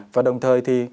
và đồng thời thì